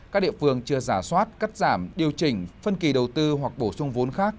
các địa phương chưa giả soát cắt giảm điều chỉnh phân kỳ đầu tư hoặc bổ sung vốn khác